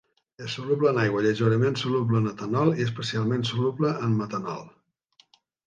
És soluble en aigua, lleugerament soluble en etanol, i especialment soluble en metanol.